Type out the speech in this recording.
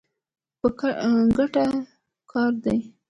په ګټه کار دی.